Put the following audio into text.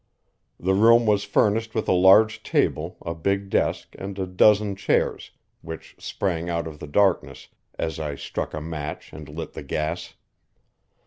The room was furnished with a large table, a big desk, and a dozen chairs, which sprang out of the darkness as I struck a match and lit the gas.